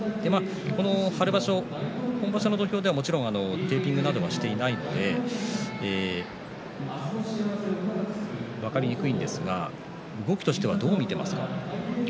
この春場所、本場所の土俵ではもちろんテーピングなどをしていないので分かりにくいんですが動きとしてはどう見ていますか？